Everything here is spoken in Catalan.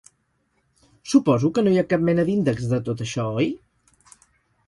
Suposo que no hi ha cap mena d'índex de tot això, oi?